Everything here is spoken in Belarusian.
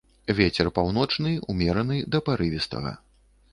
Вецер паўночны ўмераны да парывістага.